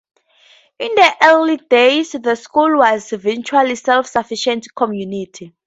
In the early days the school was a virtually self-sufficient community.